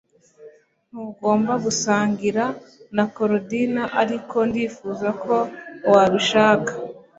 Ntugomba gusangira na Korodina ariko ndifuza ko wabishaka